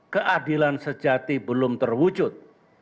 keadilan sejati belum terwujud